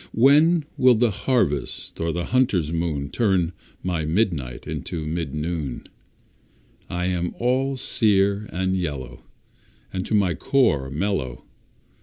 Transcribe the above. When will the harvest or the hunter's moon, Turn my midnight into mid noon? I am all sere and yellow, And to my core mellow.